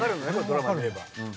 ドラマ見れば。